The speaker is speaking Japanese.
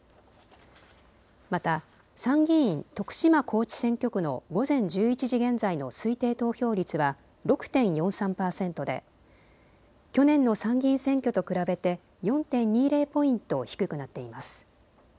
また参議院徳島高知選挙区の午前１１時現在の推定投票率は６．４３％で去年の参議院選挙と比べて４．２０ポイント低くなっています。